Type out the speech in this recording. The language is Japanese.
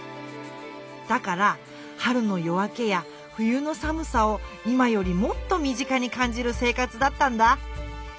だから春の夜明けや冬の寒さを今よりもっとみ近にかんじる生活だったんだ。